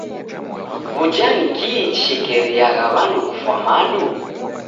W'uja ni kii chishekeriagha w'andu kufwa madu?